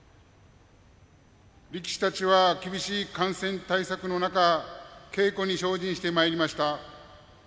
力士たちは厳しい感染対策の中稽古に精進してまいりました。